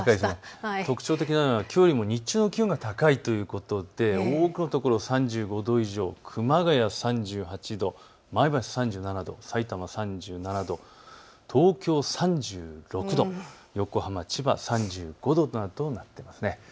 特徴的なのはきょうよりも日中の気温が高いということで多くの所３５度以上、熊谷３８度、前橋３７度、さいたま３７度、東京３６度、横浜、千葉３５度というふうになっています。